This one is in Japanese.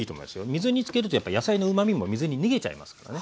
水につけるとやっぱ野菜のうまみも水に逃げちゃいますからね。